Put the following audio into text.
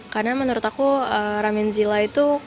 karena menurut aku ramen zila itu kuat banget